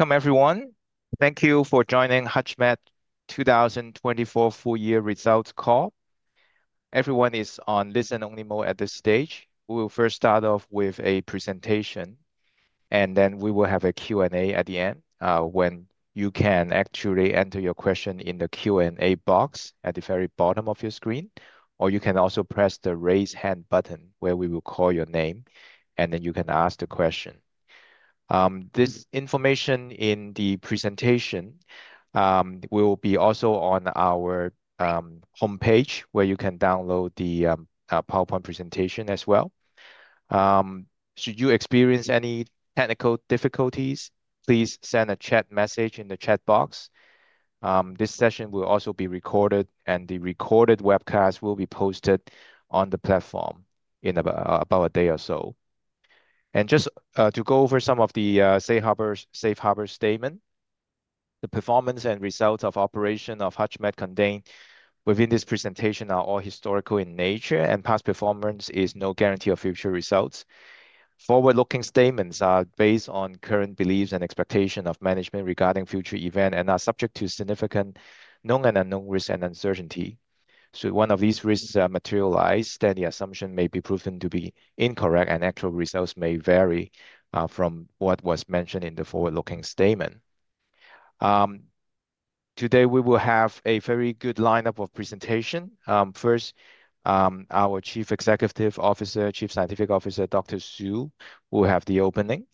Welcome, everyone. Thank you for joining HUTCHMED 2024 Full Year Results Call. Everyone is on listen-only mode at this stage. We will first start off with a presentation, and then we will have a Q&A at the end. You can actually enter your question in the Q&A box at the very bottom of your screen, or you can also press the raise hand button where we will call your name, and then you can ask the question. This information in the presentation will be also on our homepage where you can download the PowerPoint presentation as well. Should you experience any technical difficulties, please send a chat message in the chat box. This session will also be recorded, and the recorded webcast will be posted on the platform in about a day or so. Just to go over some of the safe harbor statements, the performance and results of operation of HUTCHMED contained within this presentation are all historical in nature, and past performance is no guarantee of future results. Forward-looking statements are based on current beliefs and expectations of management regarding future events and are subject to significant known and unknown risks and uncertainty. Should one of these risks materialize, then the assumption may be proven to be incorrect, and actual results may vary from what was mentioned in the forward-looking statement. Today, we will have a very good lineup of presentations. First, our Chief Executive Officer, Chief Scientific Officer, Dr. Su, will have the opening,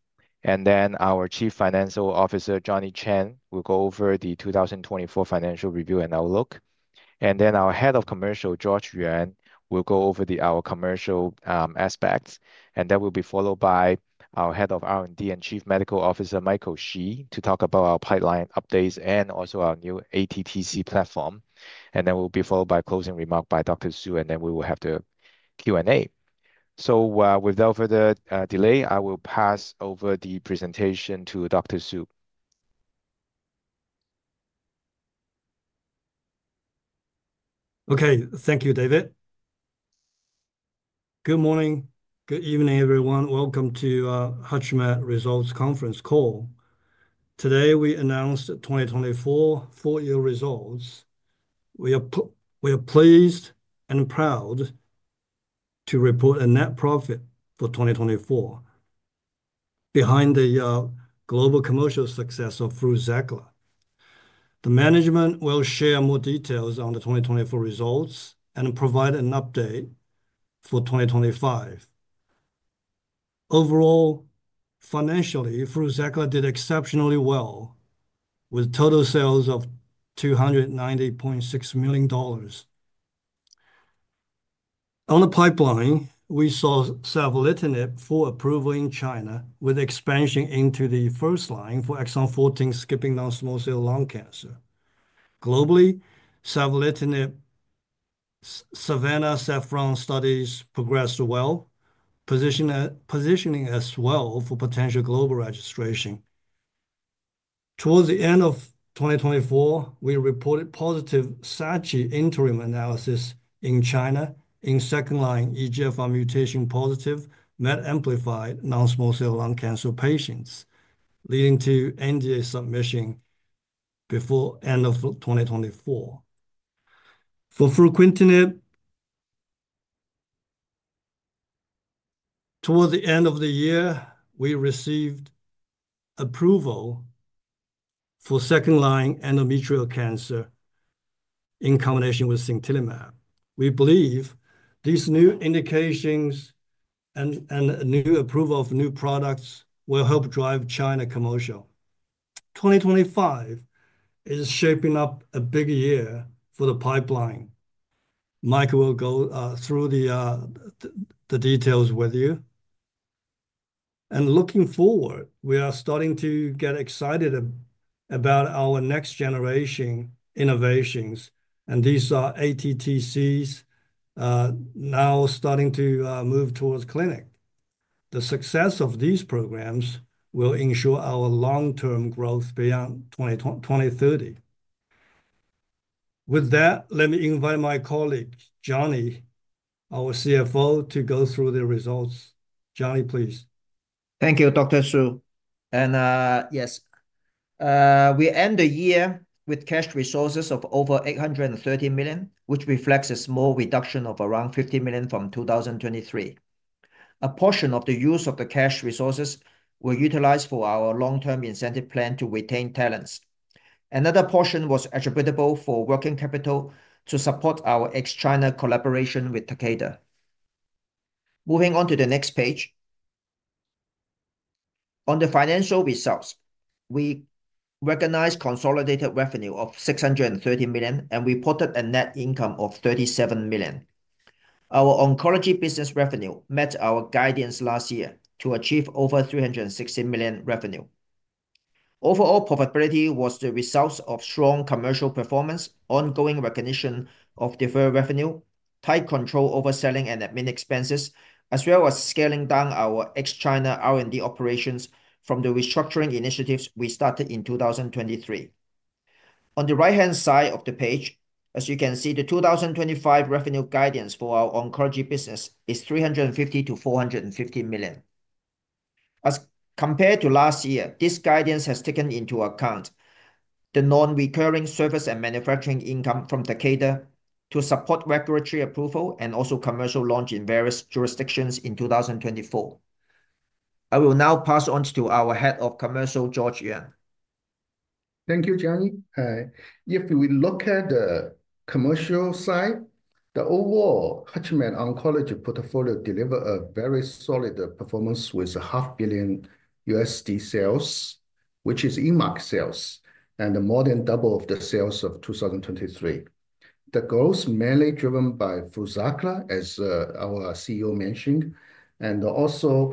and then our Chief Financial Officer, Johnny Cheng, will go over the 2024 financial review and outlook. Our Head of Commercial, George Yuan, will go over our commercial aspects, and that will be followed by our Head of R&D and Chief Medical Officer, Michael Shi, to talk about our pipeline updates and also our new ATTC platform. We will be followed by a closing remark by Dr. Su, and then we will have the Q&A. Without further delay, I will pass over the presentation to Dr. Su. Okay, thank you, David. Good morning, good evening, everyone. Welcome to HUTCHMED Results Conference Call. Today, we announced 2024 full-year results. We are pleased and proud to report a net profit for 2024 behind the global commercial success of FRUZAQLA. The management will share more details on the 2024 results and provide an update for 2025. Overall, financially, FRUZAQLA did exceptionally well with total sales of $290.6 million. On the pipeline, we saw savolitinib full approval in China, with expansion into the first line for exon 14 skipping non-small cell lung cancer. Globally, savolitinib SAVANNAH/SAFFRON studies progressed well, positioning as well for potential global registration. Towards the end of 2024, we reported positive SACHI interim analysis in China in second-line EGFR mutation-positive MET-amplified non-small cell lung cancer patients, leading to NDA submission before the end of 2024. For fruquintinib, towards the end of the year, we received approval for second-line endometrial cancer in combination with sintilimab. We believe these new indications and new approval of new products will help drive China commercial. 2025 is shaping up a big year for the pipeline. Michael will go through the details with you. Looking forward, we are starting to get excited about our next-generation innovations, and these are ATTCs now starting to move towards clinic. The success of these programs will ensure our long-term growth beyond 2030. With that, let me invite my colleague, Johnny, our CFO, to go through the results. Johnny, please. Thank you, Dr. Su. Yes, we end the year with cash resources of over $830 million, which reflects a small reduction of around $50 million from 2023. A portion of the use of the cash resources was utilized for our long-term incentive plan to retain talents. Another portion was attributable to working capital to support our ex-China collaboration with Takeda. Moving on to the next page. On the financial results, we recognized consolidated revenue of $630 million and reported a net income of $37 million. Our oncology business revenue met our guidance last year to achieve over $360 million revenue. Overall profitability was the result of strong commercial performance, ongoing recognition of deferred revenue, tight control over selling and admin expenses, as well as scaling down our ex-China R&D operations from the restructuring initiatives we started in 2023. On the right-hand side of the page, as you can see, the 2025 revenue guidance for our oncology business is $350 to 450 million. As compared to last year, this guidance has taken into account the non-recurring service and manufacturing income from Takeda to support regulatory approval and also commercial launch in various jurisdictions in 2024. I will now pass on to our Head of Commercial, George Yuan. Thank you, Johnny. If we look at the commercial side, the overall HUTCHMED Oncology portfolio delivered a very solid performance with $500,000,000 sales, which is in-mark sales, and more than double of the sales of 2023. The growth is mainly driven by FRUZAQLA, as our CEO mentioned, and also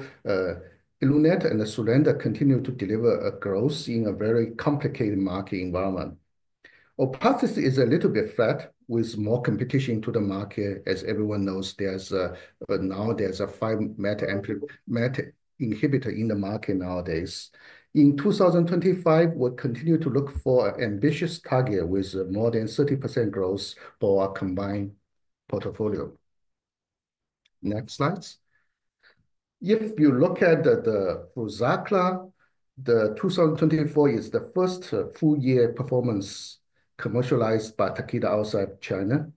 Elunate and Sulanda continue to deliver a growth in a very complicated market environment. Orpathys is a little bit flat with more competition to the market. As everyone knows, now there's five MET inhibitor in the market nowadays. In 2025, we'll continue to look for an ambitious target with more than 30% growth for our combined portfolio. Next slide. If you look at the FRUZAQLA, the 2024 is the first full-year performance commercialized by Takeda outside China.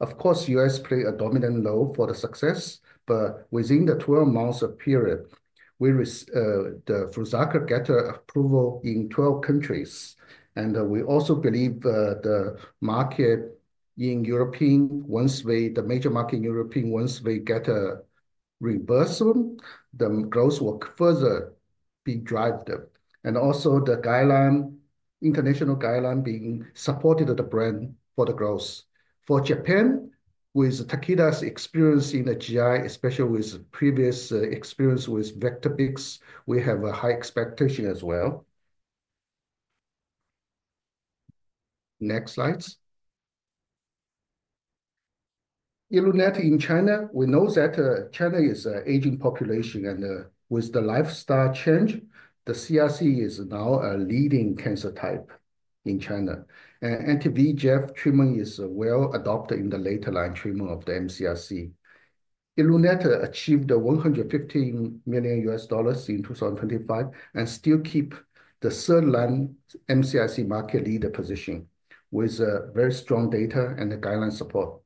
Of course, the US played a dominant role for the success, but within the 12-month period, the FRUZAQLA got approval in 12 countries. We also believe the market in Europe, once the major market in Europe, once they get a reimbursement, the growth will further be driven. Also, the international guideline being supported by the brand for the growth. For Japan, with Takeda's experience in the GI, especially with previous experience with Vectibix, we have a high expectation as well. Next slide. In Elunate in China, we know that China is an aging population, and with the lifestyle change, the CRC is now a leading cancer type in China. Anti-VEGF treatment is well adopted in the later line treatment of the mCRC. Elunate achieved $115 million in 2025 and still keeps the third line mCRC market leader position with very strong data and the guideline support.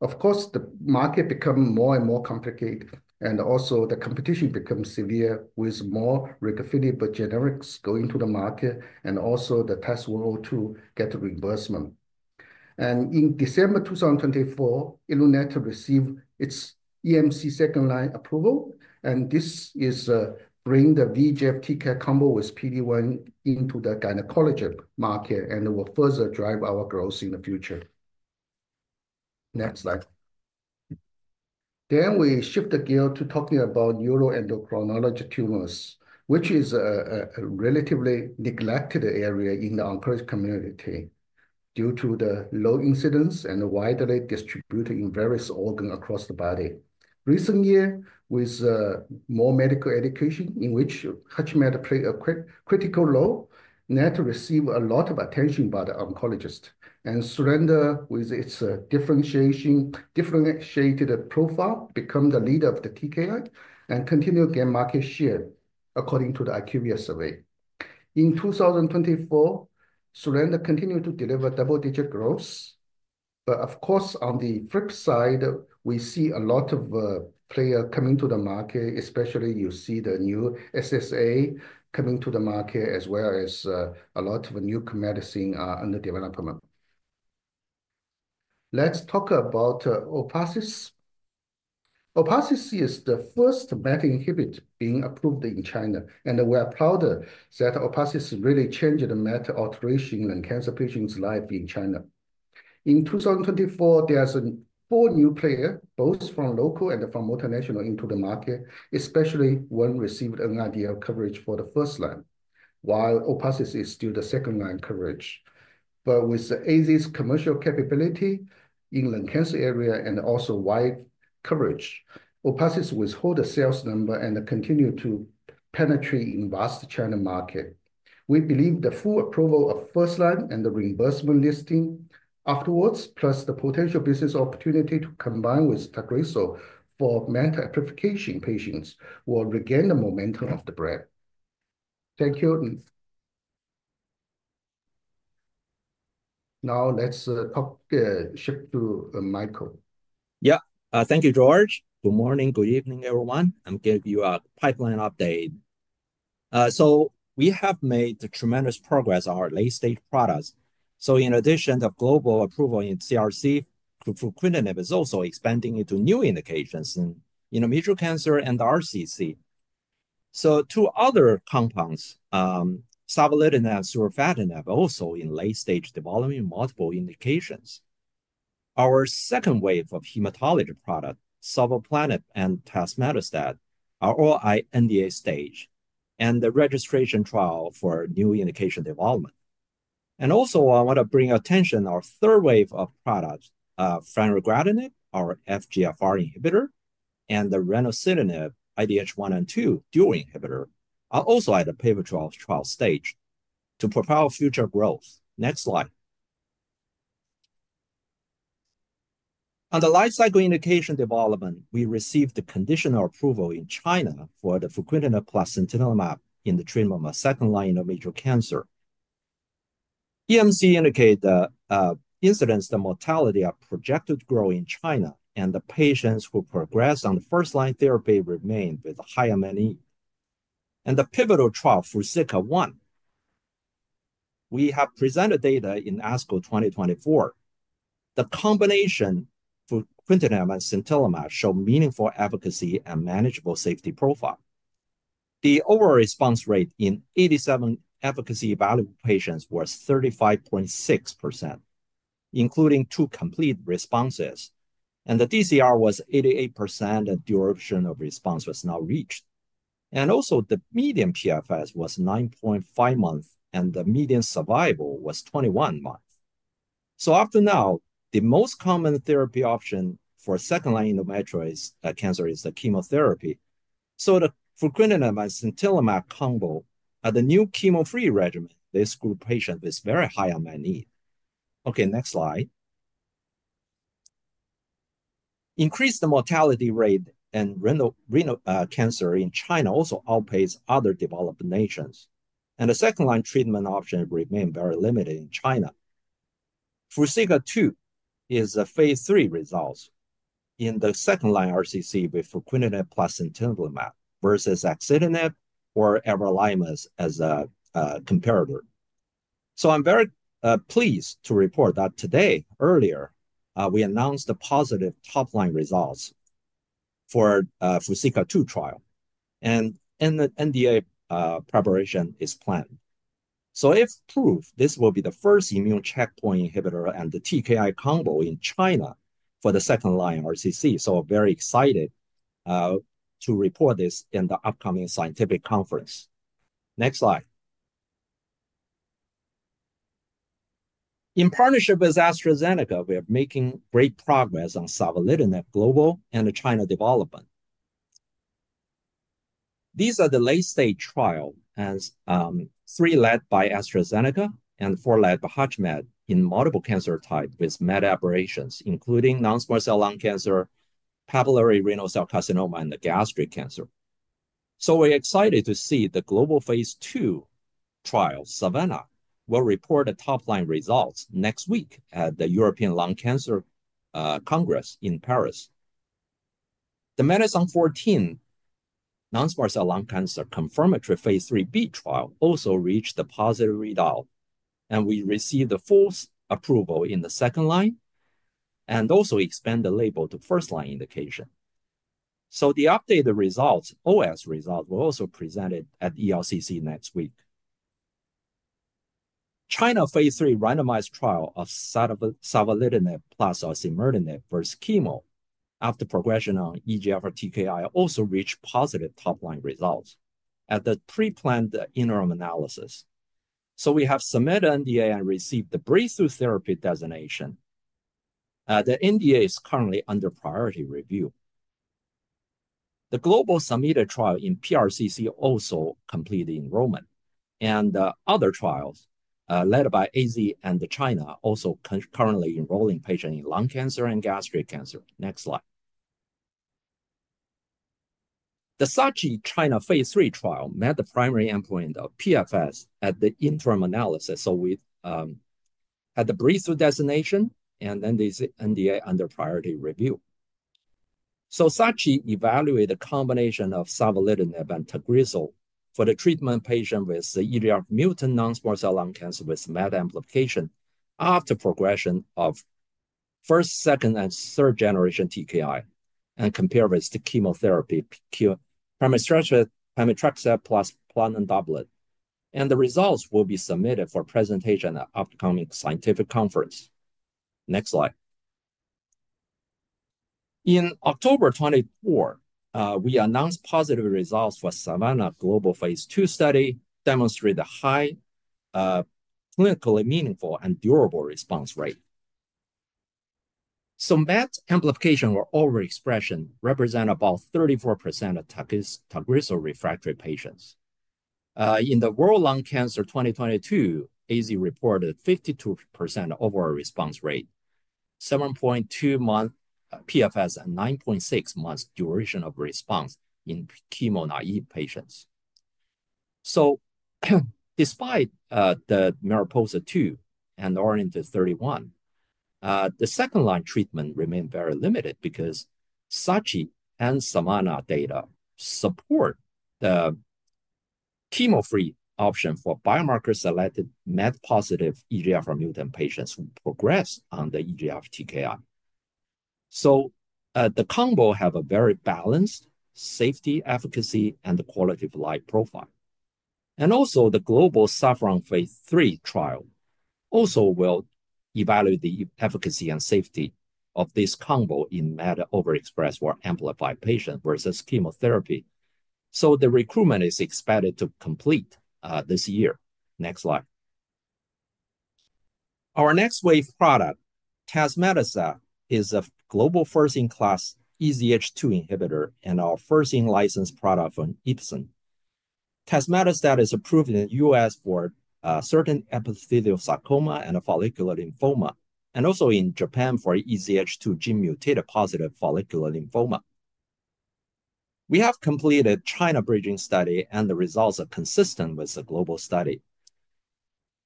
Of course, the market becomes more and more complicated, and also the competition becomes severe with more recommended generics going to the market, and also the tests were to get reimbursement. In December 2024, Elunate received its NMPA second-line approval, and this is bringing the VEGF-TKI combo with PD-1 into the gynecology market and will further drive our growth in the future. Next slide. We shift the gear to talking about neuroendocrine tumors, which is a relatively neglected area in the oncology community due to the low incidence and widely distributed in various organs across the body. Recently, with more medical education in which HUTCHMED played a critical role that received a lot of attention by the oncologists, and Sulanda, with its differentiated profile, became the leader of the TKI and continued to gain market share according to the IQVIA survey. In 2024, Sulanda continued to deliver double-digit growth. Of course, on the flip side, we see a lot of players coming to the market, especially you see the new SSA coming to the market, as well as a lot of new medicines under development. Let's talk about ORPATHYS. ORPATHYS is the first MET inhibitor being approved in China, and we are proud that ORPATHYS really changed the MET alteration in cancer patients' lives in China. In 2024, there are four new players, both from local and from multinational, into the market, especially when we received an NRDL coverage for the first line, while ORPATHYS is still the second-line coverage. With AZ's commercial capability in the cancer area and also wide coverage, ORPATHYS withholds the sales number and continues to penetrate the vast China market. We believe the full approval of first-line and the reimbursement listing afterwards, plus the potential business opportunity to combine with TAGRISSO for MET amplification patients, will regain the momentum of the brand. Thank you. Now let's shift to Michael. Yeah, thank you, George. Good morning, good evening, everyone. I'm giving you a pipeline update. We have made tremendous progress on our late-stage products. In addition to global approval in CRC, fruquintinib is also expanding into new indications in endometrial cancer and RCC. Two other compounds, savolitinib and surufatinib, are also in late-stage development in multiple indications. Our second wave of hematology products, sovleplenib and tazemetostat, are all at NDA stage and the registration trial for new indication development. I want to bring attention to our third wave of products, fanregratinib, our FGFR inhibitor, and the enasidenib IDH1 and 2 dual inhibitor, are also at the pivotal trial stage to propel future growth. Next slide. On the life cycle indication development, we received the conditional approval in China for the fruquintinib plus sintilimab in the treatment of second-line endometrial cancer. EMC indicated the incidence, the mortality of projected growth in China, and the patients who progressed on the first-line therapy remained with a high unmet need. The pivotal trial, FRUSICA-1, we have presented data in ASCO 2024. The combination for fruquintinib and sintilimab showed meaningful efficacy and manageable safety profile. The overall response rate in 87 efficacy evaluation patients was 35.6%, including two complete responses, and the DCR was 88%, and duration of response was now reached. Also, the median PFS was 9.5 months, and the median survival was 21 months. After now, the most common therapy option for second-line endometrial cancer is the chemotherapy. The fruquintinib and sintilimab combo are the new chemo-free regimen. This group patient is very high on unmet need. Okay, next slide. Increased mortality rate and renal cancer in China also outpaces other developed nations. The second-line treatment option remained very limited in China. FRUSICA-2 is a phase III result in the second-line RCC with fruquintinib plus sintilimab versus axitinib or everolimus as a comparator. I am very pleased to report that today, earlier, we announced the positive top-line results for FRUSICA-2 trial, and an NDA preparation is planned. If approved, this will be the first immune checkpoint inhibitor and TKI combo in China for the second-line RCC. I am very excited to report this in the upcoming scientific conference. Next slide. In partnership with AstraZeneca, we are making great progress on savolitinib global and China development. These are the late-stage trials, three led by AstraZeneca and four led by HUTCHMED in multiple cancer types with MET aberrations, including non-small cell lung cancer, papillary renal cell carcinoma, and gastric cancer. We're excited to see the global phase II trial, SAVANNAH, will report the top-line results next week at the European Lung Cancer Congress in Paris. The METex14 non-small cell lung cancer confirmatory phase IIIb trial also reached the positive result, and we received the full approval in the second line and also expanded the label to first-line indication. The updated OS results were also presented at ELCC next week. China phase III randomized trial of savolitinib plus osimertinib versus chemo after progression on EGFR TKI also reached positive top-line results at the pre-planned interim analysis. We have submitted NDA and received the breakthrough therapy designation. The NDA is currently under priority review. The global SAMETA trial in PRCC also completed enrollment, and other trials led by AZ and China are also currently enrolling patients in lung cancer and gastric cancer. Next slide. The SACHI China phase III trial met the primary endpoint of PFS at the interim analysis. We had the breakthrough designation, and then the NDA under priority review. SACHI evaluated the combination of savolitinib and TAGRISSO for the treatment patient with the EGFR mutant non-small cell lung cancer with MET amplification after progression of first, second, and third-generation TKI and compared with the chemotherapy chemo primary structure pemetrexed plus platinum doublet. The results will be submitted for presentation at the upcoming scientific conference. Next slide. In October 2024, we announced positive results for SAVANNAH global phase II study demonstrated a high clinically meaningful and durable response rate. MET amplification or over-expression represents about 34% of TAGRISSO refractory patients. In the World Lung Cancer 2022, AZ reported 52% overall response rate, 7.2 months PFS, and 9.6 months duration of response in chemo naive patients. Despite the MARIPOSA-2 and ORIENT-31, the second-line treatment remained very limited because SACHI and SAVANNAH data support the chemo-free option for biomarker-selected MET-positive EGFR mutant patients who progressed on the EGFR TKI. The combo has a very balanced safety, efficacy, and quality of life profile. Also, the global SAFFRON phase III trial will evaluate the efficacy and safety of this combo in MET overexpressed or amplified patients versus chemotherapy. The recruitment is expected to complete this year. Next slide. Our next wave product, tazemetostat, is a global first-in-class EZH2 inhibitor and our first in-license product from Ipsen. Tazemetostat is approved in the US for certain epithelioid sarcoma and follicular lymphoma, and also in Japan for EZH2 gene-mutated positive follicular lymphoma. We have completed a China bridging study, and the results are consistent with the global study.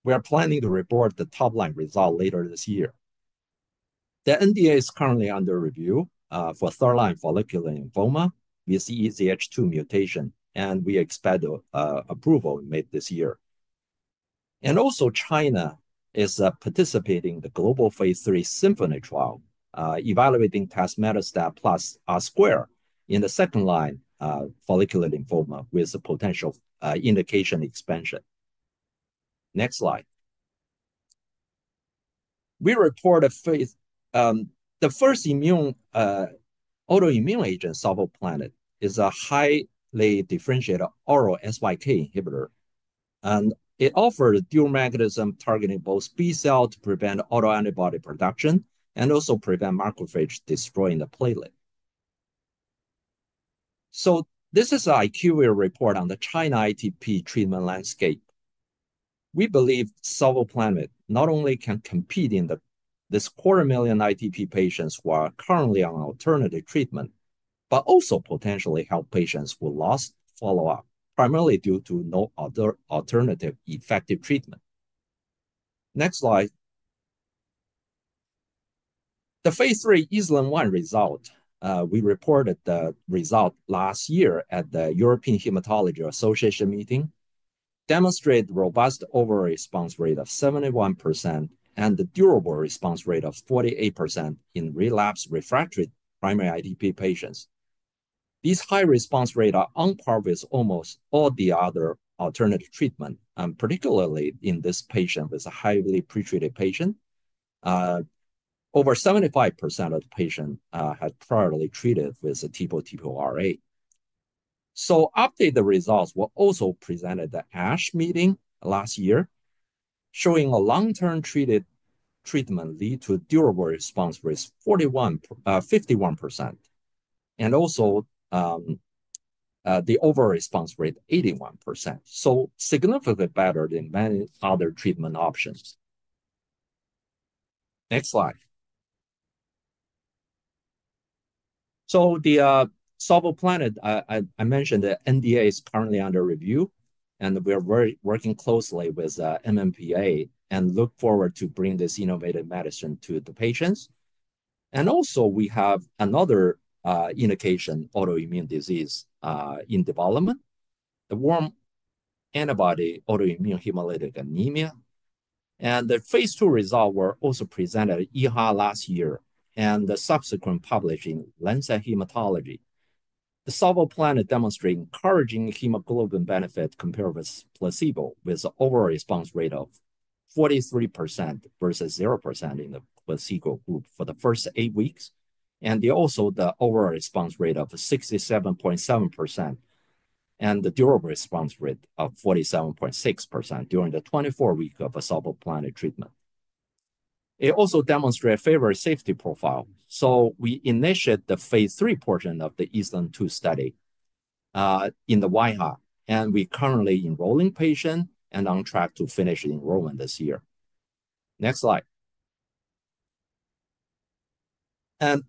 We are planning to report the top-line result later this year. The NDA is currently under review for third-line follicular lymphoma with EZH2 mutation, and we expect approval made this year. China is participating in the global phase III SYMPHONY trial, evaluating tazemetostat plus R squared in the second-line follicular lymphoma with a potential indication expansion. Next slide. We reported the first autoimmune agent, sovleplenib, is a highly differentiated oral SYK inhibitor. It offers a dual mechanism targeting both B cells to prevent autoantibody production and also prevent macrophages destroying the platelet. This is an IQVIA report on the China ITP treatment landscape. We believe sovleplenib not only can compete in this quarter million ITP patients who are currently on alternative treatment, but also potentially help patients who lost follow-up, primarily due to no other alternative effective treatment. Next slide. The phase III ESLIM-01 result, we reported the result last year at the European Hematology Association meeting, demonstrated a robust overall response rate of 71% and a durable response rate of 48% in relapsed refractory primary ITP patients. These high response rates are on par with almost all the other alternative treatments, and particularly in this patient with a highly pretreated patient, over 75% of the patients had prior treated with TPO/TPO-RA. Updated results were also presented at the ASH meeting last year, showing a long-term treated treatment lead to a durable response rate of 51%, and also the overall response rate of 81%. Significantly better than many other treatment options. Next slide. The sovleplenib, I mentioned the NDA is currently under review, and we are working closely with NMPA and look forward to bringing this innovative medicine to the patients. We have another indication, autoimmune disease in development, the warm antibody autoimmune hemolytic anemia. The phase II result was also presented at EHA last year and the subsequent publishing in Lancet Hematology. The sovleplenib demonstrated encouraging hemoglobin benefit compared with placebo, with an overall response rate of 43% versus 0% in the placebo group for the first eight weeks, and also the overall response rate of 67.7% and the durable response rate of 47.6% during the 24-week of sovleplenib treatment. It also demonstrated a favorable safety profile. We initiated the phase III portion of the ESLIM-02 study in the warm antibody autoimmune hemolytic anemia, and we are currently enrolling patients and on track to finish enrollment this year. Next slide.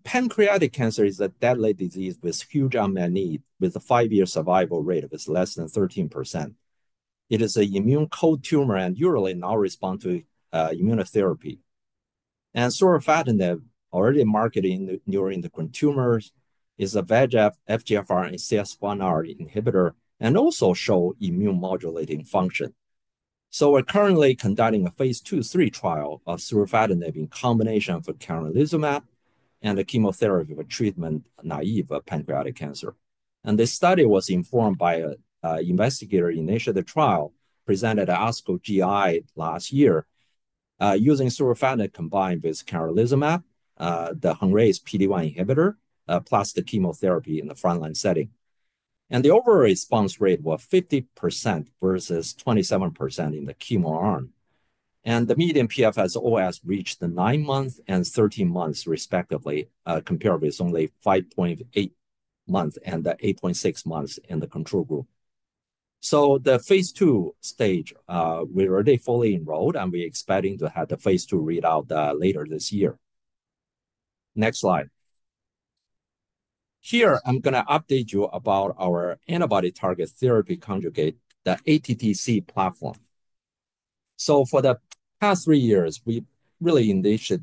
Pancreatic cancer is a deadly disease with huge unmet need, with a five-year survival rate of less than 13%. It is an immune cold tumor and usually does not respond to immunotherapy. Surufatinib, already marketed in neuroendocrine tumors, is a VEGF, FGFR, and CSF1R inhibitor and also shows immune modulating function. We are currently conducting a phase II and three trial of surufatinib in combination with camrelizumab and chemotherapy with treatment-naive pancreatic cancer. This study was informed by an investigator who initiated the trial, presented at ASCO GI last year, using surufatinib combined with camrelizumab, the Hengrui PD-1 inhibitor, plus chemotherapy in the front-line setting. The overall response rate was 50% versus 27% in the chemo arm. The median PFS and OS reached nine months and 13 months, respectively, compared with only 5.8 months and 8.6 months in the control group. The phase II stage is already fully enrolled, and we are expecting to have the phase II readout later this year. Next slide. Here, I'm going to update you about our antibody target therapy conjugate, the ATTC platform. For the past three years, we really initially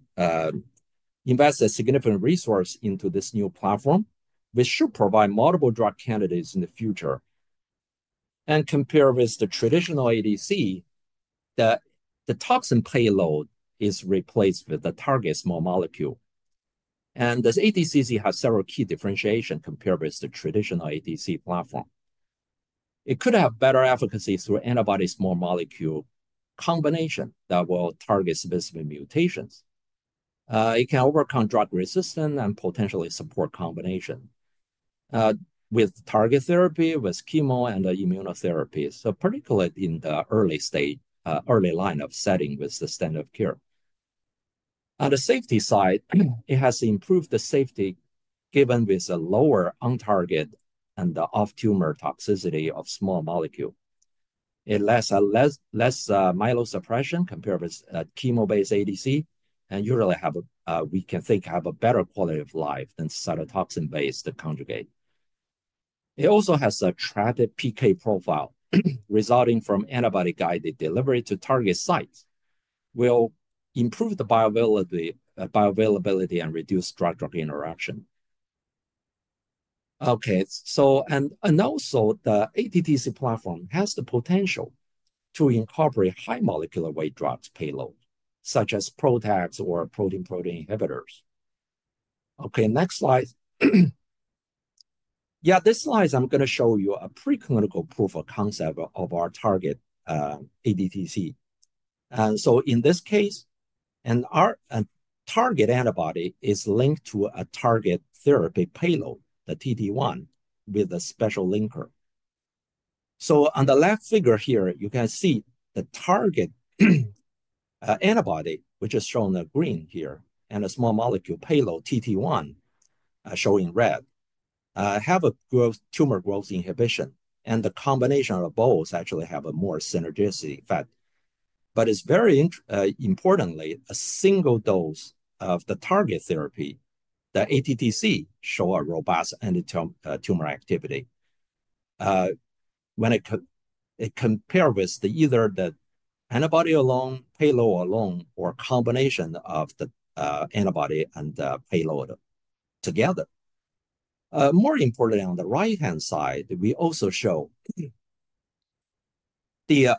invested a significant resource into this new platform, which should provide multiple drug candidates in the future. Compared with the traditional ADC, the toxin payload is replaced with the target small molecule. This ADC has several key differentiations compared with the traditional ADC platform. It could have better efficacy through antibody small molecule combination that will target specific mutations. It can overcome drug resistance and potentially support combination with target therapy, with chemo, and immunotherapy, particularly in the early stage, early line of setting with the standard of care. On the safety side, it has improved the safety given with a lower on-target and off-tumor toxicity of small molecule. It has less myelosuppression compared with chemo-based ADC, and usually we can think of a better quality of life than cytotoxin-based conjugate. It also has a tracted PK profile resulting from antibody-guided delivery to target sites will improve the bioavailability and reduce drug-drug interaction. Okay. Also, the ATTC platform has the potential to incorporate high molecular weight drugs payload, such as PROTACs or protein-protein inhibitors. Okay. Next slide. Yeah, this slide, I'm going to show you a preclinical proof of concept of our target ATTC. In this case, our target antibody is linked to a target therapy payload, the TT1, with a special linker. On the left figure here, you can see the target antibody, which is shown in green here, and a small molecule payload, TT1, showing red, have a tumor growth inhibition. The combination of both actually has a more synergistic effect. It is very importantly, a single dose of the target therapy, the ATTC, shows a robust anti-tumor activity when it is compared with either the antibody alone, payload alone, or a combination of the antibody and payload together. More importantly, on the right-hand side, we also show the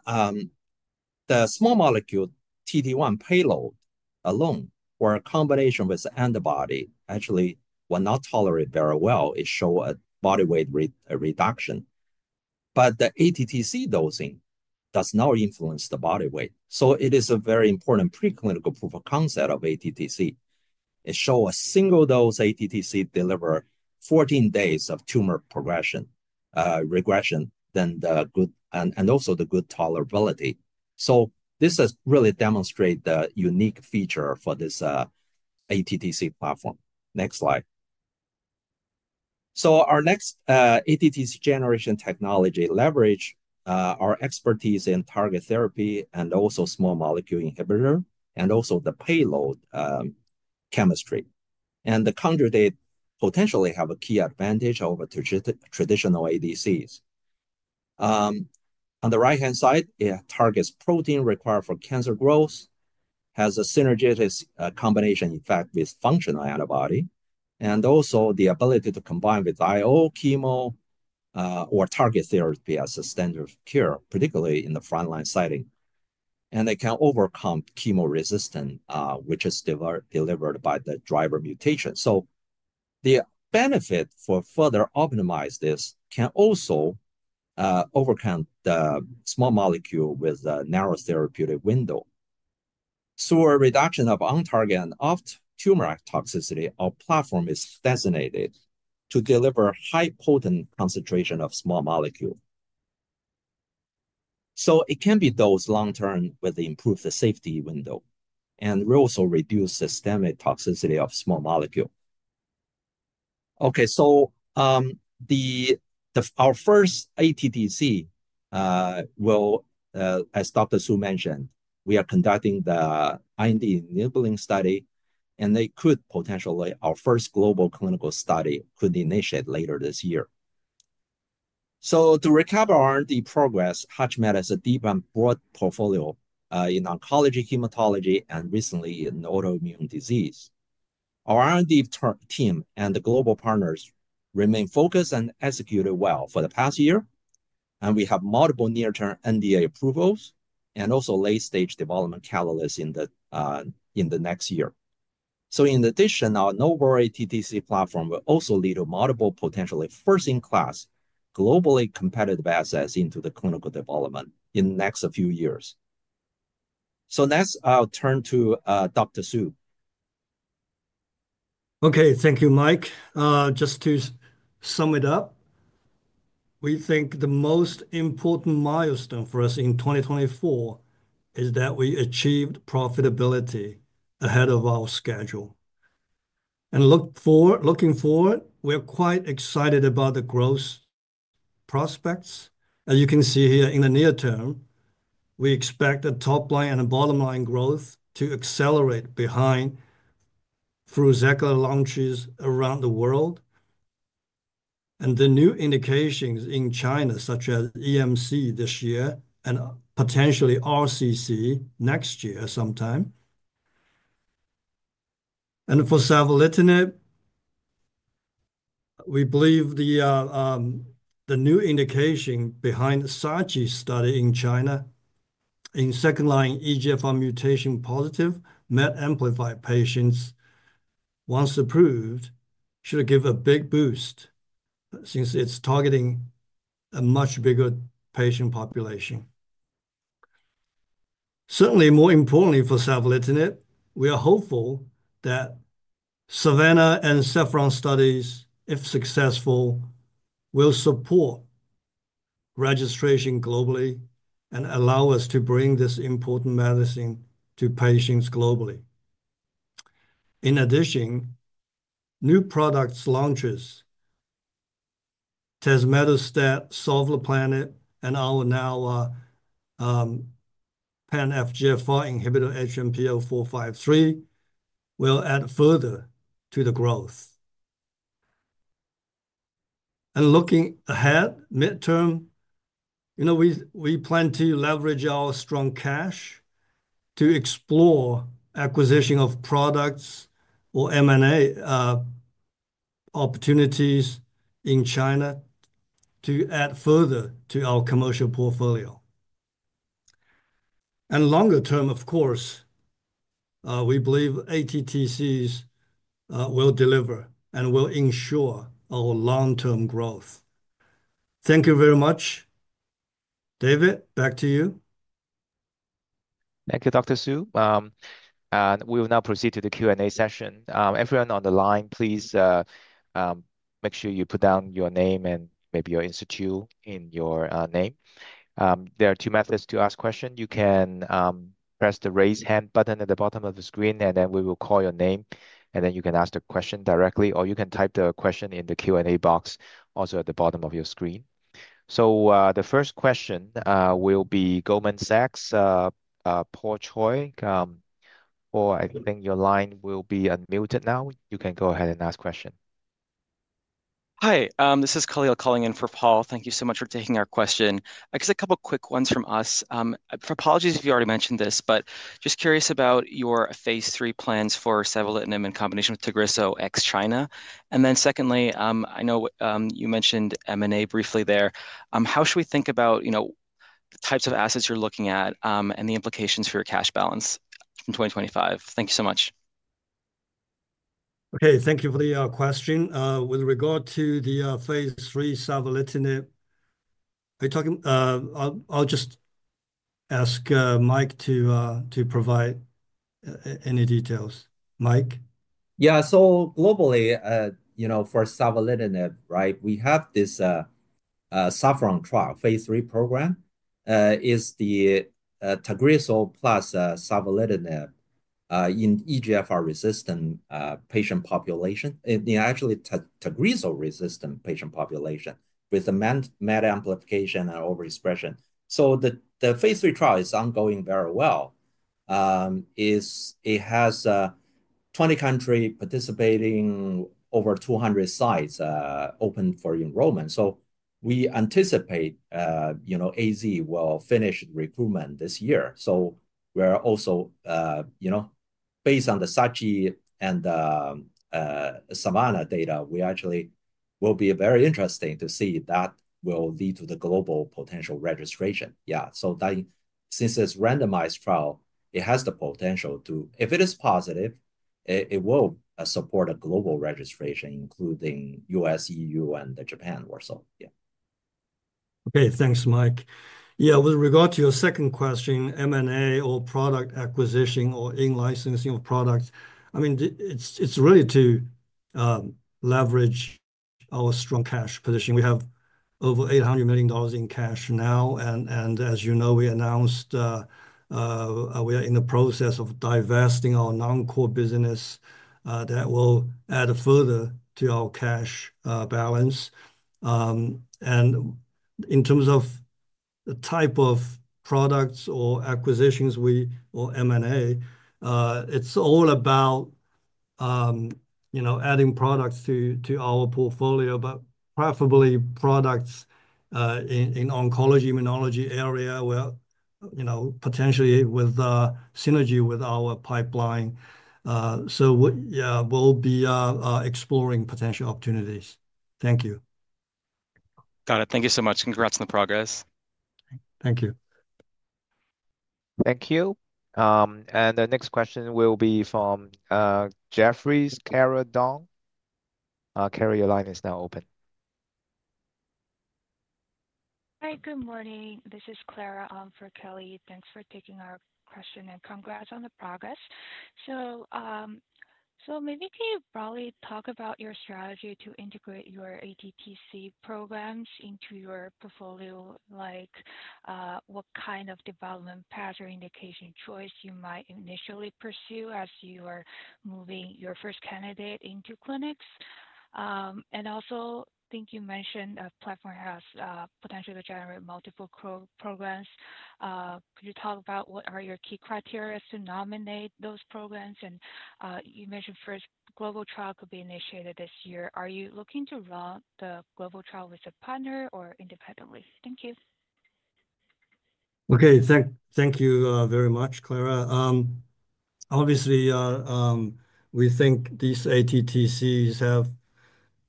small molecule TT1 payload alone, where a combination with the antibody actually was not tolerated very well. It showed a body weight reduction. The ATTC dosing does not influence the body weight. It is a very important preclinical proof of concept of ATTC. It shows a single dose ATTC delivers 14 days of tumor regression and also the good tolerability. This really demonstrates the unique feature for this ATTC platform. Next slide. Our next ATTC generation technology leverages our expertise in target therapy and also small molecule inhibitor and also the payload chemistry. The conjugate potentially has a key advantage over traditional ADCs. On the right-hand side, it targets protein required for cancer growth, has a synergistic combination effect with functional antibody, and also the ability to combine with IO, chemo, or target therapy as a standard of care, particularly in the front-line setting. It can overcome chemo resistance, which is delivered by the driver mutation. The benefit for further optimizing this can also overcome the small molecule with a narrow therapeutic window. A reduction of on-target and off-tumor toxicity of the platform is designated to deliver high potent concentration of small molecule. It can be dosed long-term with improved safety window, and we also reduce systemic toxicity of small molecule. Okay. Our first ATTC will, as Dr. Su mentioned, we are conducting the IND enabling study, and it could potentially be our first global clinical study could be initiated later this year. To recap our R&D progress, HUTCHMED has a deep and broad portfolio in oncology, hematology, and recently in autoimmune disease. Our R&D team and the global partners remain focused and executed well for the past year. We have multiple near-term NDA approvals and also late-stage development catalysts in the next year. In addition, our no-worry ATTC platform will also lead to multiple potentially first-in-class, globally competitive assets into the clinical development in the next few years. Next, I'll turn to Dr. Su. Okay. Thank you, Mike. Just to sum it up, we think the most important milestone for us in 2024 is that we achieved profitability ahead of our schedule. Looking forward, we are quite excited about the growth prospects. As you can see here in the near term, we expect the top-line and bottom-line growth to accelerate behind FRUZAQLA launches around the world. The new indications in China, such as EMC this year and potentially RCC next year sometime. For savolitinib, we believe the new indication behind the SAMETA study in China in second-line EGFR mutation positive MET amplified patients, once approved, should give a big boost since it's targeting a much bigger patient population. Certainly, more importantly for savolitinib, we are hopeful that SAVANNAH and SAFFRON studies, if successful, will support registration globally and allow us to bring this important medicine to patients globally. In addition, new product launches, tazemetostat, sovleplenib, and our now pan-FGFR inhibitor HMPL-453, will add further to the growth. Looking ahead, midterm, we plan to leverage our strong cash to explore acquisition of products or M&A opportunities in China to add further to our commercial portfolio. Longer term, of course, we believe ATTCs will deliver and will ensure our long-term growth. Thank you very much. David, back to you. Thank you, Dr. Su. We will now proceed to the Q&A session. Everyone on the line, please make sure you put down your name and maybe your institute in your name. There are two methods to ask questions. You can press the raise hand button at the bottom of the screen, and we will call your name. Then you can ask the question directly, or you can type the question in the Q&A box also at the bottom of your screen. The first question will be Goldman Sachs, Paul Choi, or I think your line will be unmuted now. You can go ahead and ask a question. Hi, this is Khalil calling in for Paul. Thank you so much for taking our question. I guess a couple of quick ones from us. Apologies if you already mentioned this, but just curious about your phase III plans for savolitinib in combination with TAGRISSO ex-China. And then secondly, I know you mentioned M&A briefly there. How should we think about the types of assets you're looking at and the implications for your cash balance in 2025? Thank you so much. Okay. Thank you for the question. With regard to the phase III savolitinib, I'll just ask Mike to provide any details. Mike? Yeah. Globally, for savolitinib, we have this SAFRON trial, phase III program. It's the TAGRISSO plus savolitinib in EGFR-resistant patient population, actually TAGRISSO-resistant patient population with the MET amplification and overexpression. The phase III trial is ongoing very well. It has 20 countries participating, over 200 sites open for enrollment. We anticipate AZ will finish recruitment this year. We're also, based on the SAFFRON and the SAVANNA data, we actually will be very interested to see if that will lead to the global potential registration. Yeah. Since it's a randomized trial, it has the potential to, if it is positive, it will support a global registration, including US, EU, and Japan also. Yeah. Okay. Thanks, Mike. Yeah. With regard to your second question, M&A or product acquisition or in-licensing of products, I mean, it's really to leverage our strong cash position. We have over $800 million in cash now. As you know, we announced we are in the process of divesting our non-core business that will add further to our cash balance. In terms of the type of products or acquisitions or M&A, it's all about adding products to our portfolio, but preferably products in the oncology immunology area where potentially with synergy with our pipeline. We will be exploring potential opportunities. Thank you. Got it. Thank you so much. Congrats on the progress. Thank you. Thank you. The next question will be from Jefferies, Clara Dong. Clara, your line is now open. Hi. Good morning. This is Clara for Kelly. Thanks for taking our question and congrats on the progress. Maybe can you probably talk about your strategy to integrate your ATTC programs into your portfolio, like what kind of development path or indication choice you might initially pursue as you are moving your first candidate into clinics. Also, I think you mentioned a platform has potential to generate multiple programs. Could you talk about what are your key criteria to nominate those programs? You mentioned first global trial could be initiated this year. Are you looking to run the global trial with a partner or independently? Thank you. Thank you very much, Clara. Obviously, we think these ATTCs have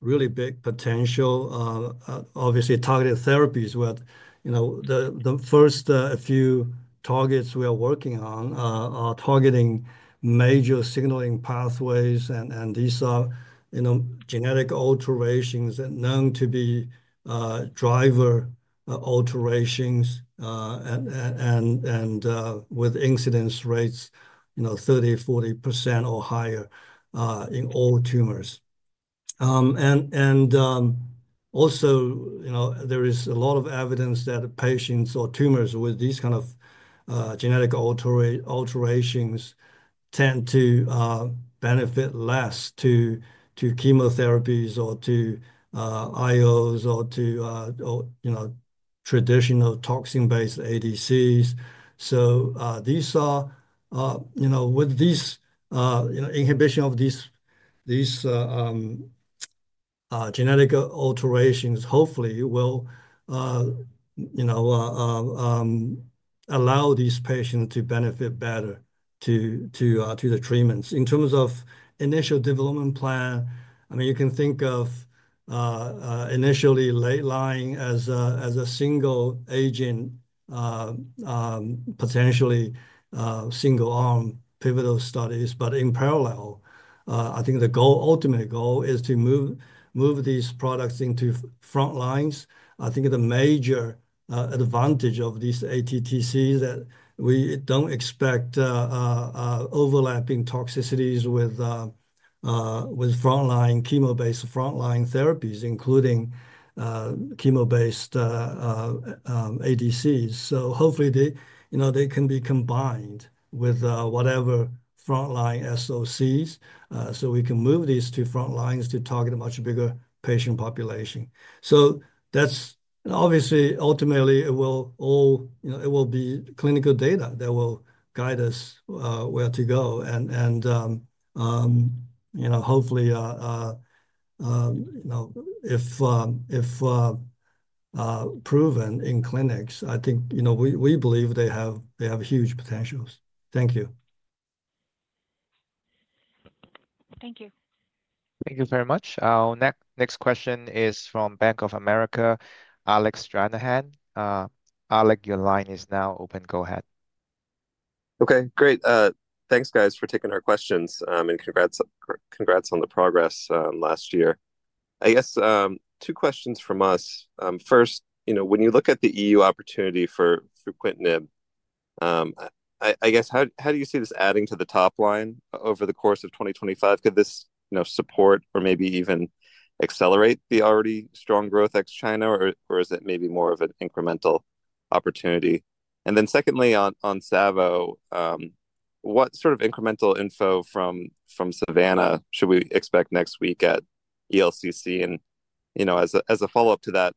really big potential, obviously targeted therapies. The first few targets we are working on are targeting major signaling pathways. These are genetic alterations known to be driver alterations with incidence rates 30-40% or higher in all tumors. There is a lot of evidence that patients or tumors with these kinds of genetic alterations tend to benefit less from chemotherapies or to IOs or to traditional toxin-based ADCs. With this inhibition of these genetic alterations, hopefully, it will allow these patients to benefit better from the treatments. In terms of initial development plan, I mean, you can think of initially late line as a single agent, potentially single-arm pivotal studies. In parallel, I think the ultimate goal is to move these products into front lines. I think the major advantage of these ATTCs is that we do not expect overlapping toxicities with front-line chemo-based front-line therapies, including chemo-based ADCs. Hopefully, they can be combined with whatever front-line SOCs so we can move these to front lines to target a much bigger patient population. Obviously, ultimately, it will all be clinical data that will guide us where to go. Hopefully, if proven in clinics, I think we believe they have huge potentials. Thank you. Thank you. Thank you very much. Our next question is from Bank of America, Alec Stranahan. Alec, your line is now open. Go ahead. Okay. Great. Thanks, guys, for taking our questions and congrats on the progress last year. I guess two questions from us. First, when you look at the EU opportunity for fruquintinib, I guess, how do you see this adding to the top line over the course of 2025? Could this support or maybe even accelerate the already strong growth ex China, or is it maybe more of an incremental opportunity? Secondly, on Savo, what sort of incremental info from SAVANNAH should we expect next week at ELCC? As a follow-up to that,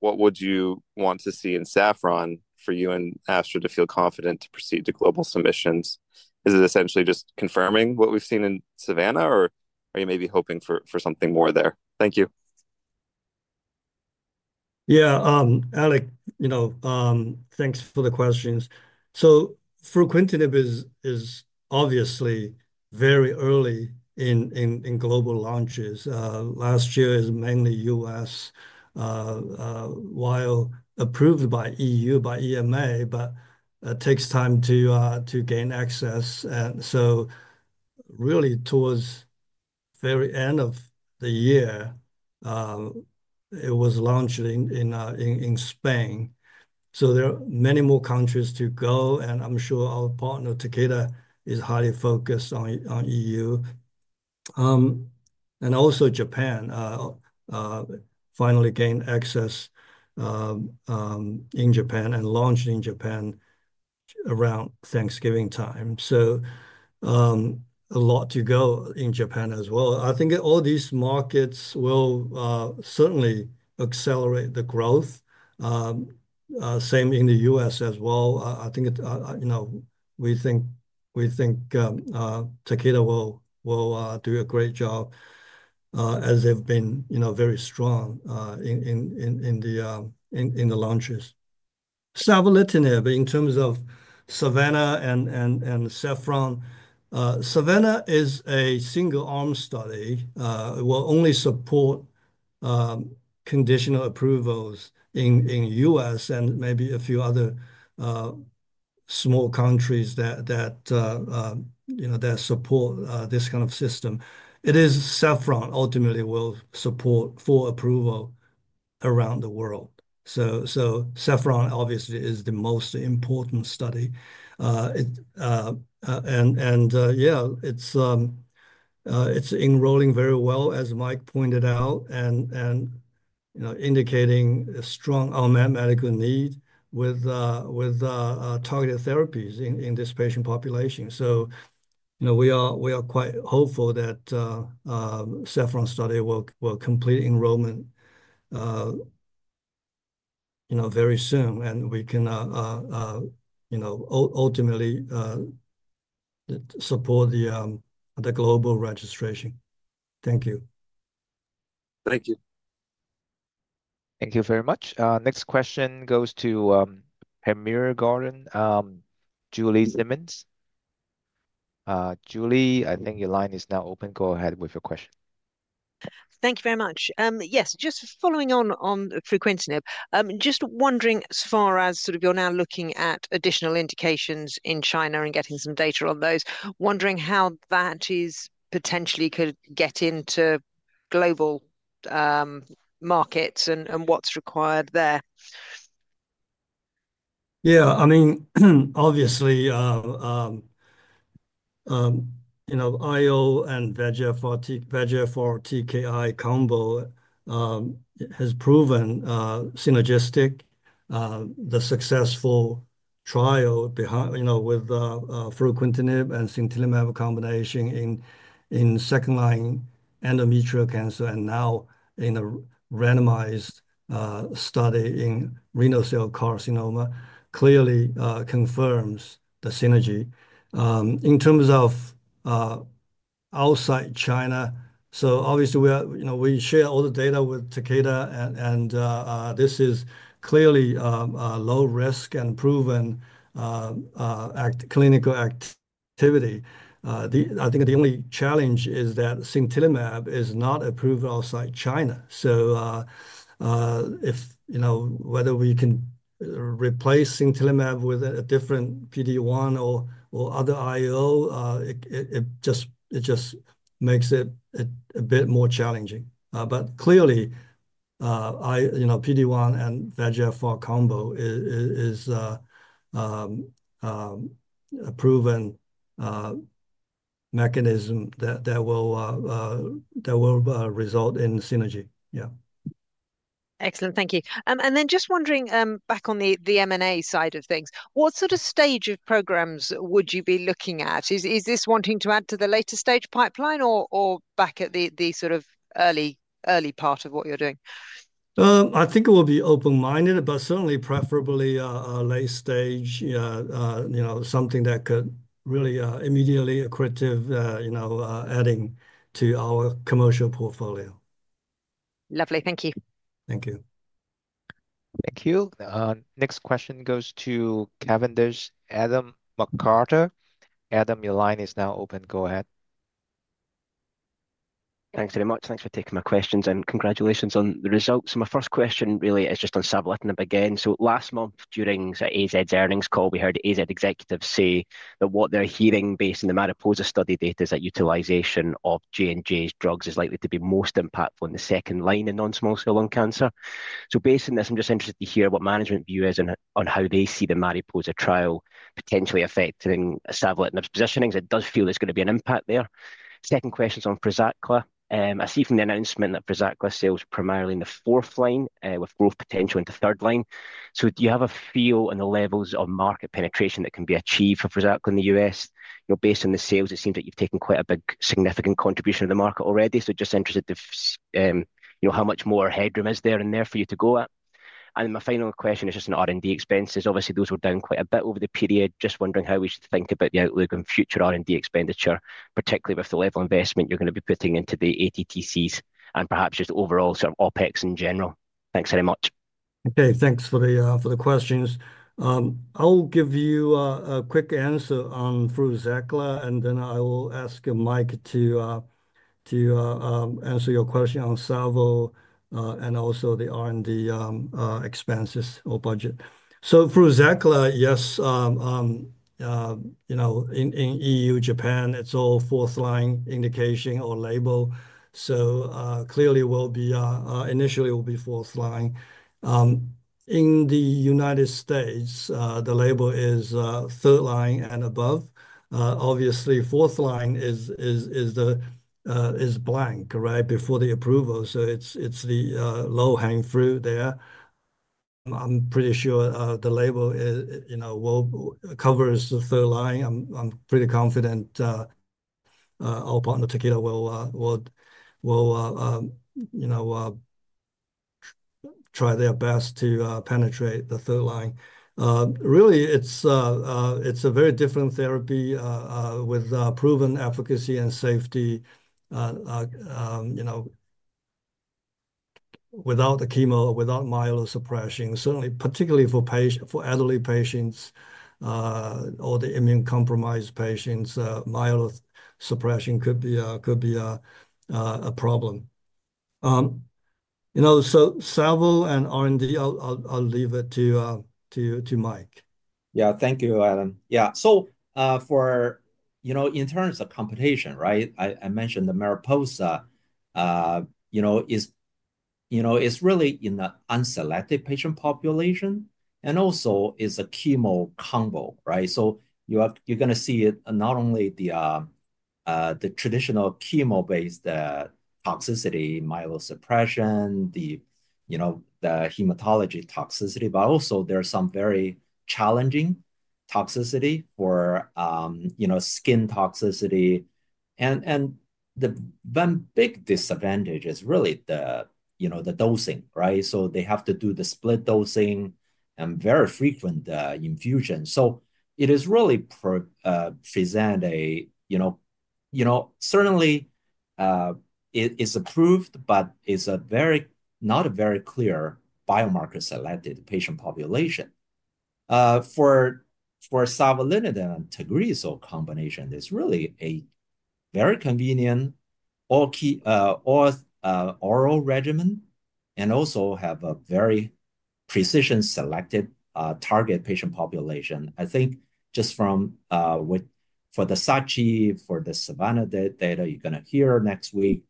what would you want to see in SAFRON for you and ASHRA to feel confident to proceed to global submissions? Is it essentially just confirming what we've seen in SAVANNAH, or are you maybe hoping for something more there? Thank you. Yeah. Alec, thanks for the questions. For quintenib, it is obviously very early in global launches. Last year is mainly US, while approved by EU, by EMA, but it takes time to gain access. Really towards the very end of the year, it was launched in Spain. There are many more countries to go. I'm sure our partner, Takeda, is highly focused on EU. Also, Japan finally gained access in Japan and launched in Japan around Thanksgiving time. A lot to go in Japan as well. I think all these markets will certainly accelerate the growth, same in the US as well. I think we think Takeda will do a great job as they've been very strong in the launches. Savolitinib, in terms of SAVANNAH and SAFFRON, SAVANNAH is a single-arm study. It will only support conditional approvals in the US and maybe a few other small countries that support this kind of system. It is SAFFRON ultimately will support full approval around the world. SAFFRON obviously is the most important study. Yeah, it's enrolling very well, as Mike pointed out, and indicating a strong medical need with targeted therapies in this patient population. We are quite hopeful that SAFFRON study will complete enrollment very soon, and we can ultimately support the global registration. Thank you. Thank you. Thank you very much. Next question goes to Panmure Gordon, Julie Simmonds. Julie, I think your line is now open. Go ahead with your question. Thank you very much. Yes, just following on fruquintinib, just wondering as far as sort of you're now looking at additional indications in China and getting some data on those, wondering how that potentially could get into global markets and what's required there. Yeah. I mean, obviously, IO and VEGFR TKI combo has proven synergistic, the successful trial with fruquintinib and sintilimab combination in second-line endometrial cancer and now in a randomized study in renal cell carcinoma clearly confirms the synergy. In terms of outside China, obviously, we share all the data with Takeda, and this is clearly low-risk and proven clinical activity. I think the only challenge is that sintilimab is not approved outside China. Whether we can replace sintilimab with a different PD-1 or other IO, it just makes it a bit more challenging. Clearly, PD-1 and VEGFR combo is a proven mechanism that will result in synergy. Yeah. Excellent. Thank you. Just wondering back on the M&A side of things, what sort of stage of programs would you be looking at? Is this wanting to add to the later stage pipeline or back at the sort of early part of what you're doing? I think it will be open-minded, but certainly preferably a late stage, something that could really immediately accretive adding to our commercial portfolio. Lovely. Thank you. Thank you. Thank you. Next question goes to Cavendish, Adam McCarter. Adam, your line is now open. Go ahead. Thanks very much. Thanks for taking my questions, and congratulations on the results. My first question really is just on savolitinib again. Last month, during AZ's earnings call, we heard AZ executives say that what they're hearing based on the MARIPOSA study data is that utilization of J&J's drugs is likely to be most impactful in the second line in non-small cell lung cancer. Based on this, I'm just interested to hear what management view is on how they see the MARIPOSA trial potentially affecting savolitinib's positioning because it does feel there's going to be an impact there. Second question is on FRUZAQLA. I see from the announcement that FRUZAQLA sells primarily in the fourth line with growth potential into third line. Do you have a feel on the levels of market penetration that can be achieved for FRUZAQLA in the US? Based on the sales, it seems that you've taken quite a big significant contribution to the market already. Just interested to how much more headroom is there in there for you to go at? My final question is just on R&D expenses. Obviously, those were down quite a bit over the period. Just wondering how we should think about the outlook on future R&D expenditure, particularly with the level of investment you're going to be putting into the ATTCs and perhaps just overall sort of OpEx in general. Thanks very much. Okay. Thanks for the questions. I'll give you a quick answer on FRUZAQLA, and then I will ask Mike to answer your question on Savo and also the R&D expenses or budget. FRUZAQLA, yes, in EU, Japan, it's all fourth-line indication or label. Clearly, initially, it will be fourth line. In the United States, the label is third line and above. Obviously, fourth line is blank right before the approval. So it's the low hanging fruit there. I'm pretty sure the label covers the third line. I'm pretty confident our partner, Takeda, will try their best to penetrate the third line. Really, it's a very different therapy with proven efficacy and safety without the chemo, without myelosuppression. Certainly, particularly for elderly patients or the immune-compromised patients, myelosuppression could be a problem. Savo and R&D, I'll leave it to Mike. Yeah. Thank you, Adam. Yeah. In terms of competition, right, I mentioned the MARIPOSA is really in the unselected patient population, and also it's a chemo combo, right? You're going to see not only the traditional chemo-based toxicity, myelosuppression, the hematology toxicity, but also there are some very challenging toxicity for skin toxicity. The big disadvantage is really the dosing, right? They have to do the split dosing and very frequent infusion. It really presents a, certainly, it's approved, but it's not a very clear biomarker-selected patient population. For savolitinib and TAGRISSO combination, it's really a very convenient oral regimen and also has a very precision-selected target patient population. I think just for the SACHI, for the SAVANNAH data, you're going to hear next week,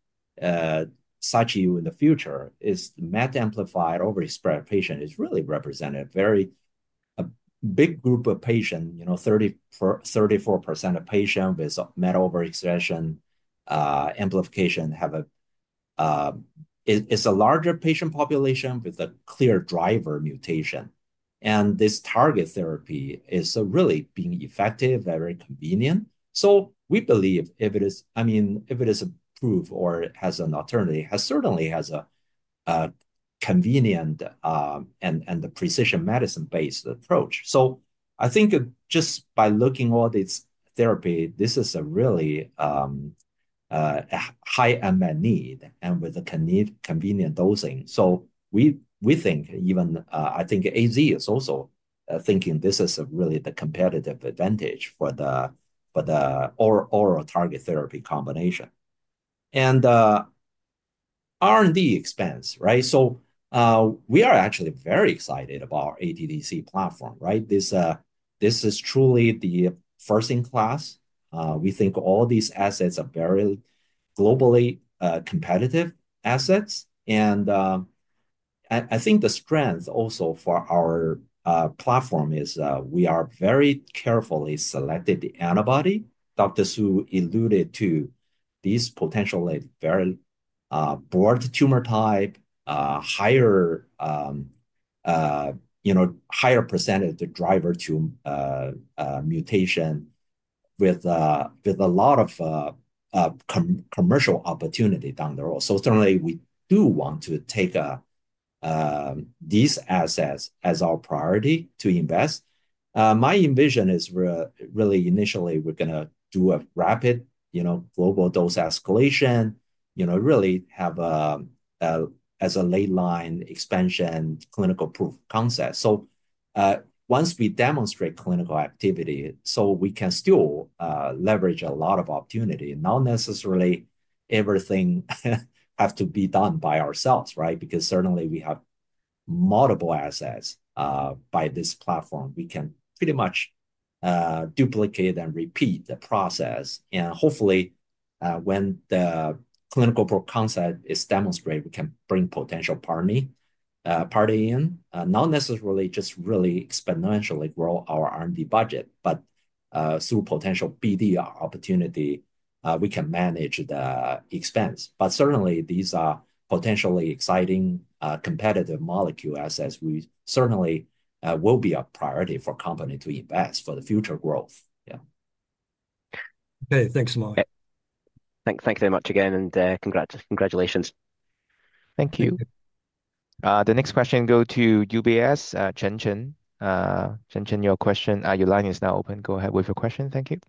SACHI in the future is MET amplified overexpressed patient, is really representing a big group of patients, 34% of patients with MET overexpression amplification have a larger patient population with a clear driver mutation. This target therapy is really being effective, very convenient. We believe if it is, I mean, if it is approved or has an alternative, it certainly has a convenient and the precision medicine-based approach. I think just by looking at its therapy, this is a really high M&E and with a convenient dosing. We think even I think AZ is also thinking this is really the competitive advantage for the oral target therapy combination. R&D expense, right? We are actually very excited about our ATTC platform, right? This is truly the first-in-class. We think all these assets are very globally competitive assets. I think the strength also for our platform is we are very carefully selected the antibody. Dr. Su alluded to these potentially very broad tumor type, higher percentage of the driver to mutation with a lot of commercial opportunity down the road. Certainly, we do want to take these assets as our priority to invest. My envision is really initially we're going to do a rapid global dose escalation, really have as a late-line expansion clinical proof concept. Once we demonstrate clinical activity, we can still leverage a lot of opportunity. Not necessarily everything has to be done by ourselves, right? Certainly, we have multiple assets by this platform. We can pretty much duplicate and repeat the process. Hopefully, when the clinical proof concept is demonstrated, we can bring potential party in. Not necessarily just really exponentially grow our R&D budget, but through potential BDR opportunity, we can manage the expense. Certainly, these are potentially exciting competitive molecule assets. We certainly will be a priority for company to invest for the future growth. Yeah. Okay. Thanks, Mike. Thanks very much again, and congratulations. Thank you. The next question goes to UBS, Chen Chen. Chen Chen, your question, your line is now open. Go ahead with your question. Thank you.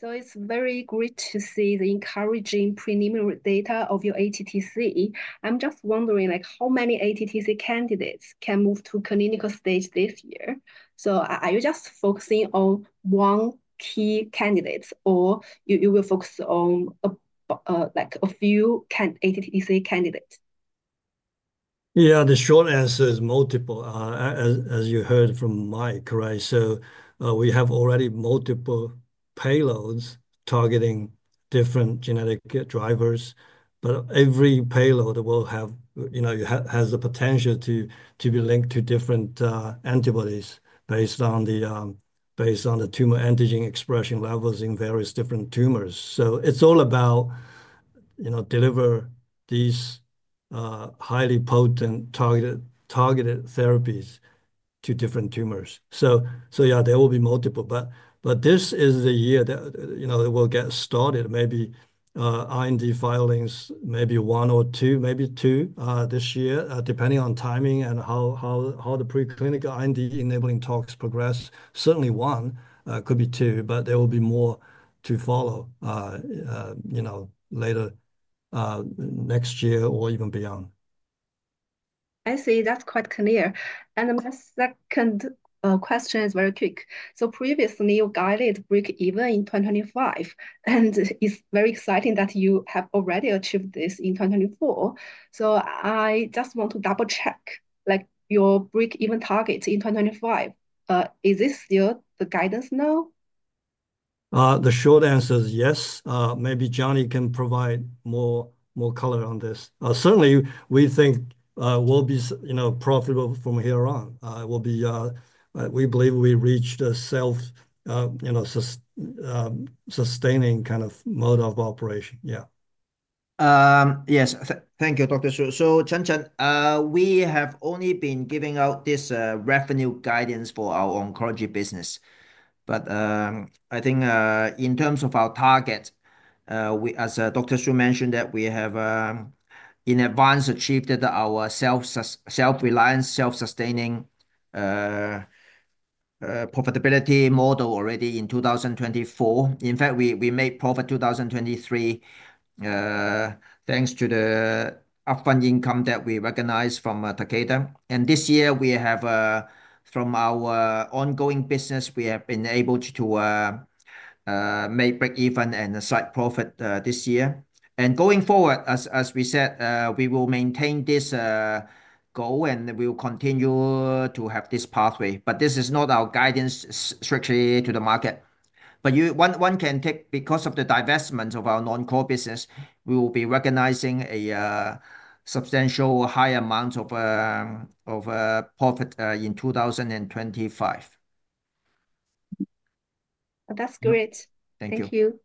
It's very great to see the encouraging preliminary data of your ATTC. I'm just wondering how many ATTC candidates can move to clinical stage this year. Are you just focusing on one key candidate, or will you focus on a few ATTC candidates? Yeah, the short answer is multiple, as you heard from Mike, right? We have already multiple payloads targeting different genetic drivers, but every payload has the potential to be linked to different antibodies based on the tumor antigen expression levels in various different tumors. It's all about delivering these highly potent targeted therapies to different tumors. There will be multiple. This is the year that it will get started. Maybe R&D filings, maybe one or two, maybe two this year, depending on timing and how the preclinical R&D enabling talks progress. Certainly, one could be two, but there will be more to follow later next year or even beyond. I see. That's quite clear. My second question is very quick. Previously, you guided break-even in 2025, and it's very exciting that you have already achieved this in 2024. I just want to double-check your break-even target in 2025. Is this still the guidance now? The short answer is yes. Maybe Johnny can provide more color on this. Certainly, we think we'll be profitable from here on. We believe we reached a self-sustaining kind of mode of operation. Yeah. Yes. Thank you, Dr. Su. So, Chen Chen, we have only been giving out this revenue guidance for our oncology business. I think in terms of our target, as Dr. Su mentioned, we have in advance achieved our self-reliance, self-sustaining profitability model already in 2024. In fact, we made profit 2023 thanks to the upfront income that we recognized from Takeda. This year, from our ongoing business, we have been able to make break-even and site profit this year. Going forward, as we said, we will maintain this goal, and we will continue to have this pathway. This is not our guidance strictly to the market. One can take because of the divestment of our non-core business, we will be recognizing a substantial high amount of profit in 2025. That's great. Thank you. Thank you.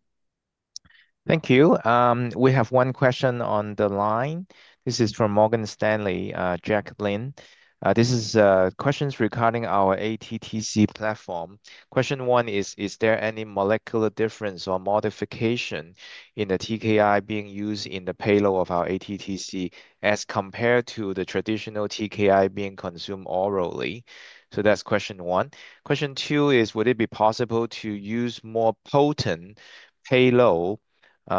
Thank you. We have one question on the line. This is from Morgan Stanley, Jack Lin. This is questions regarding our ATTC platform. Question one is, is there any molecular difference or modification in the TKI being used in the payload of our ATTC as compared to the traditional TKI being consumed orally? That's question one. Question two is, would it be possible to use more potent payload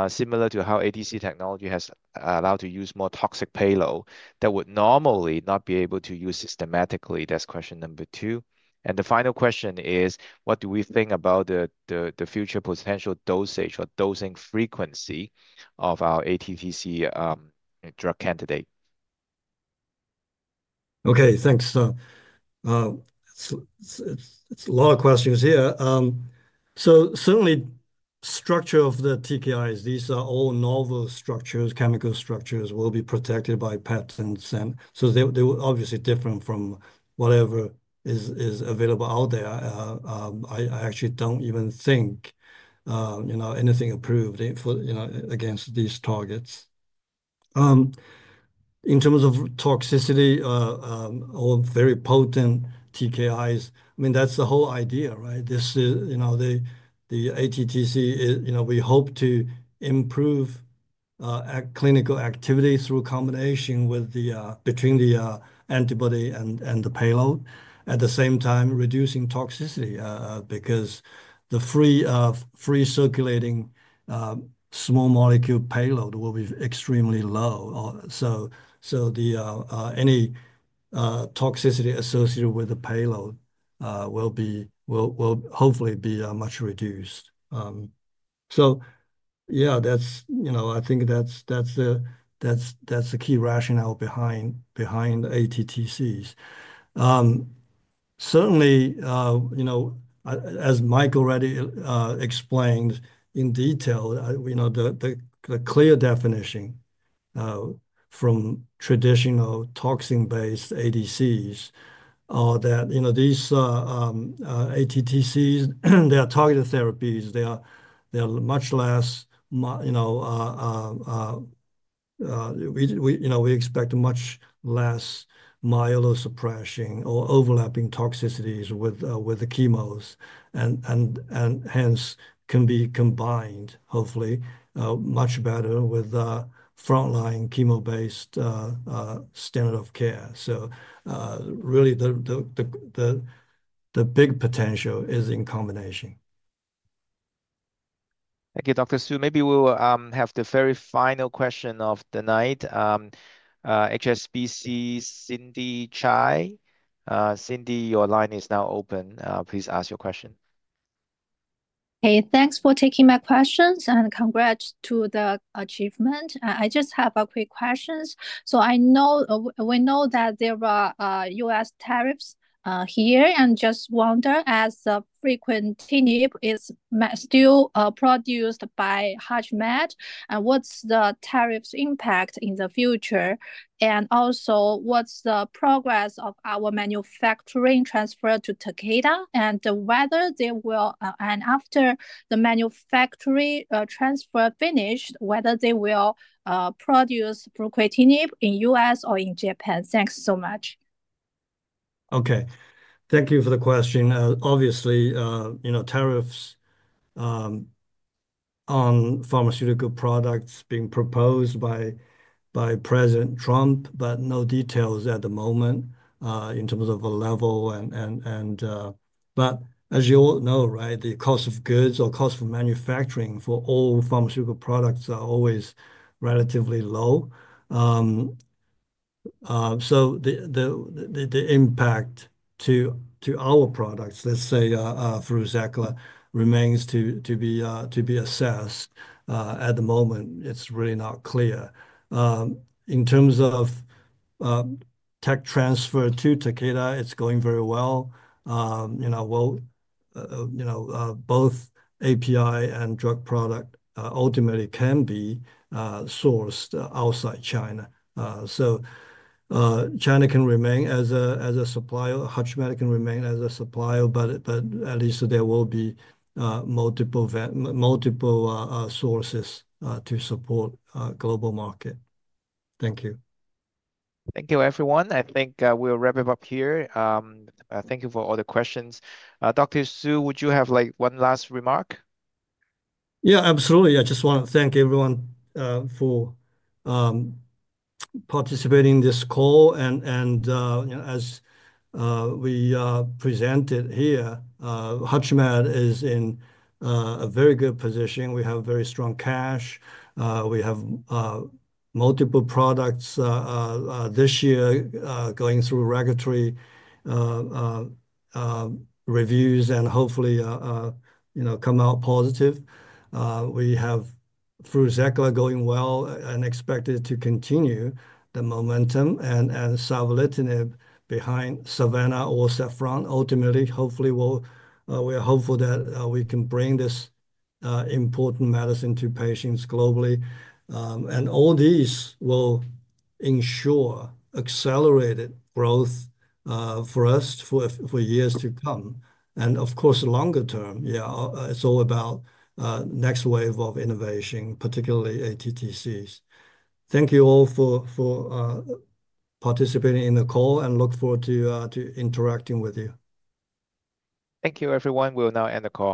similar to how ADC technology has allowed to use more toxic payload that would normally not be able to use systematically? That's question number two. The final question is, what do we think about the future potential dosage or dosing frequency of our ATTC drug candidate? Okay. Thanks. It's a lot of questions here. Certainly, structure of the TKIs, these are all novel structures, chemical structures will be protected by patents. They will obviously differ from whatever is available out there. I actually don't even think anything approved against these targets. In terms of toxicity or very potent TKIs, I mean, that's the whole idea, right? The ATTC, we hope to improve clinical activity through combination between the antibody and the payload, at the same time reducing toxicity because the free circulating small molecule payload will be extremely low. Any toxicity associated with the payload will hopefully be much reduced. I think that's the key rationale behind ATTCs. Certainly, as Mike already explained in detail, the clear definition from traditional toxin-based ADCs are that these ATTCs, they are targeted therapies. They are much less, we expect much less myelosuppression or overlapping toxicities with the chemos, and hence can be combined, hopefully, much better with frontline chemo-based standard of care. Really, the big potential is in combination. Thank you, Dr. Su. Maybe we'll have the very final question of the night, HSBC, Cindy Chai. Cindy, your line is now open. Please ask your question. Hey, thanks for taking my questions and congrats to the achievement. I just have a quick question. We know that there are US tariffs here. I just wonder, as fruquintinib is still produced by HUTCHMED, what's the tariff's impact in the future? Also, what's the progress of our manufacturing transfer to Takeda and whether they will, and after the manufacturing transfer is finished, whether they will produce fruquintinib in the US or in Japan? Thanks so much. Okay. Thank you for the question. Obviously, tariffs on pharmaceutical products are being proposed by President Trump, but no details at the moment in terms of a level. As you all know, the cost of goods or cost of manufacturing for all pharmaceutical products is always relatively low. The impact to our products, let's say FRUZAQLA, remains to be assessed. At the moment, it's really not clear. In terms of tech transfer to Takeda, it's going very well. Both API and drug product ultimately can be sourced outside China. China can remain as a supplier, HUTCHMED can remain as a supplier, but at least there will be multiple sources to support global market. Thank you. Thank you, everyone. I think we'll wrap it up here. Thank you for all the questions. Dr. Su, would you have one last remark? Yeah, absolutely. I just want to thank everyone for participating in this call. As we presented here, HUTCHMED is in a very good position. We have very strong cash. We have multiple products this year going through regulatory reviews and hopefully come out positive. We have FRUZAQLA going well and expected to continue the momentum and SAVANNAH or SAFFRON. Ultimately, hopefully, we are hopeful that we can bring this important medicine to patients globally. All these will ensure accelerated growth for us for years to come. Of course, longer term, yeah, it's all about next wave of innovation, particularly ATTCs. Thank you all for participating in the call and look forward to interacting with you. Thank you, everyone. We'll now end the call.